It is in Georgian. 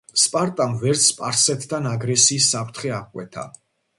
სპარტამ ვერც სპარსეთთან აგრესიის საფრთხე აღკვეთა.